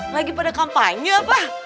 lagi pada kampanye apa